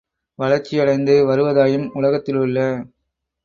வளர்ச்சி யடைந்து வருவதாயும், உலகத்திலுள்ள